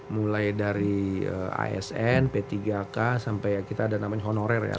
mulai dari asn p tiga k sampai kita ada namanya honorer ya